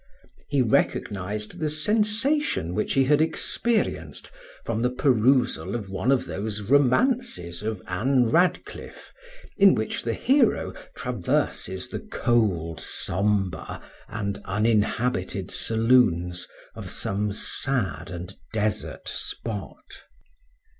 He recognized the sensation which he had experienced from the perusal of one of those romances of Anne Radcliffe, in which the hero traverses the cold, sombre, and uninhabited saloons of some sad and desert spot.